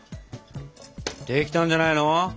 できたんじゃないの？